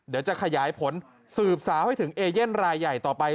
เดี๋ยวจะขยายผลสืบสาวให้ถึงเอเย่นรายใหญ่ต่อไป